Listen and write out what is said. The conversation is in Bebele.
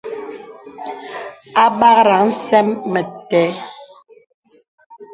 Àbakraŋ sə̀m mə ìtəŋ.